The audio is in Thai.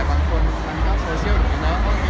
มีตัวจริงรึยังได้มีตัวหล่อนะคะ